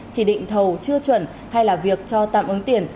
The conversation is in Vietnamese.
chỉ định thầu chưa chuẩn hay là việc cho tạm ứng tiền